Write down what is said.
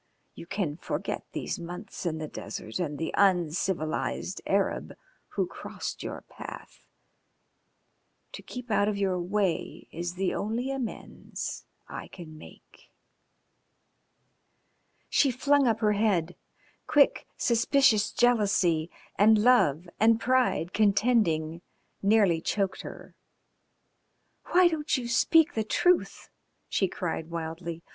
You can forget these months in the desert and the uncivilised Arab who crossed your path. To keep out of your way is the only amends I can make." She flung up her head. Quick, suspicious jealousy and love and pride contending nearly choked her. "Why don't you speak the truth?" she cried wildly.